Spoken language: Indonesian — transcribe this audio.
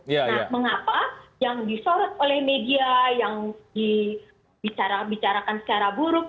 nah mengapa yang disorot oleh media yang dibicarakan secara buruk